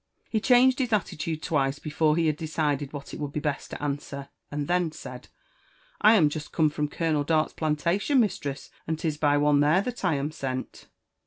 He changed his attitude twice beforie he had decided what ft would be best to answer, and then said, "lam jest come from Colonel Dart's plantation, mistress, and 'tis by one there that I am sent."